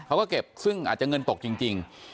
เขาก็เก็บซึ่งอาจจะเงินตกจริง